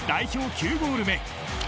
９ゴール目。